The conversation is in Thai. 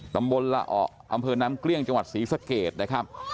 ตำบลละออกอำเภอน้ำเกลี้ยงจังหวัดศรีสะเกดนะครับ